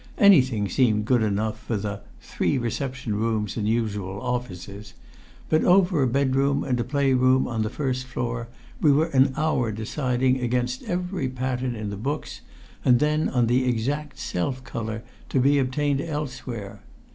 Anything seemed good enough for the "three reception rooms and usual offices"; but over a bedroom and a play room on the first floor we were an hour deciding against every pattern in the books, and then on the exact self colour to be obtained elsewhere.